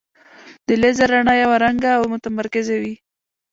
د لیزر رڼا یو رنګه او متمرکزه وي.